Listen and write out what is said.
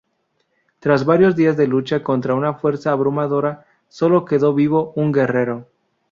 Tras varios días de lucha contra una fuerza abrumadora, solo quedó vivo un guerrero.